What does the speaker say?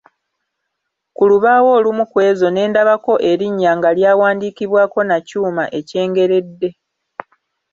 Ku lubaawo olumu ku ezo ne ndabako erinnya nga lyawandiikibwako na kyuma ekyengeredde.